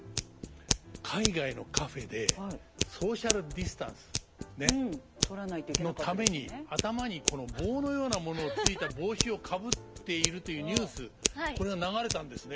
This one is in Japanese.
海外のカフェでソーシャルディスタンスのために頭にこの棒のようなものがついた帽子をかぶっているというニュースこれが流れたんですね。